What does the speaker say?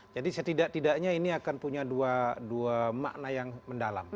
jadi setidaknya ini akan punya dua makna yang mendalam